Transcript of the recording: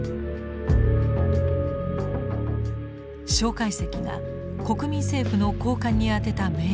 介石が国民政府の高官にあてた命令書。